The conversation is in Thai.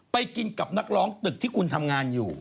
ไปกินกับนักร้องตึกที่คุณทำงานอยู่